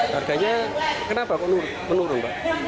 darganya kenapa menurun